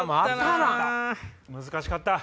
難しかったな。